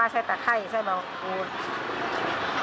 อาจจะมาไปคนละยางคนละรถ